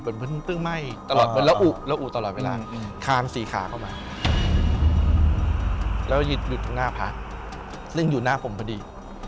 แล้วก็หยุดไปข้างหน้าผ่านซึ่งอยู่หน้าผมพอดี